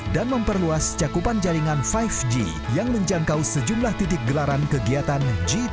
dan memperluas cakupan jaringan lima g yang menjangkau sejumlah titik gelaran kegiatan g dua puluh